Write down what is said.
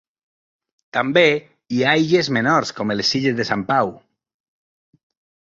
També hi ha illes menors com les Illes de Sant Pau.